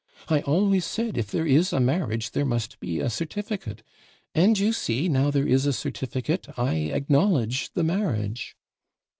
I always said, if there is a marriage there must be a certificate. And you see now there is a certificate I acknowledge the marriage.'